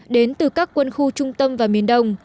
đến từ các quân khu trung tâm và miền đông